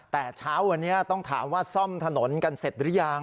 แต่เช้าวันนี้ต้องถามว่าซ่อมถนนกันเสร็จหรือยัง